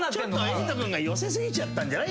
瑛人君が寄せすぎちゃったんじゃない？